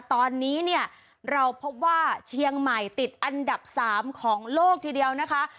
ตอนนี้เนี่ยเราพบว่าเชียงใหม่ติดอันดับ๓ของโลกทีเดียวนะคะ